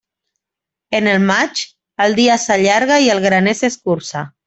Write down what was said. En el maig, el dia s'allarga i el graner s'escurça.